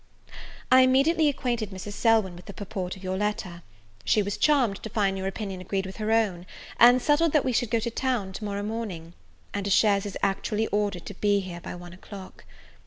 I immediately acquainted Mrs. Selwyn with the purport of your letter. She was charmed to find your opinion agreed with her own, and settled that we should go to town to morrow morning: and a chaise is actually ordered to be here by one o'clock.